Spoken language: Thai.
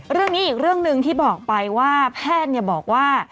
เรื่องนี้อีกเรื่องหนึ่งที่บอกไปว่าแพทย์บอกว่า